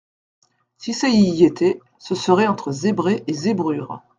Si ça y était, ce serait entre zébré et zébrure.